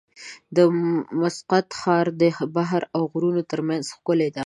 د مسقط ښار د بحر او غرونو ترمنځ ښکلی دی.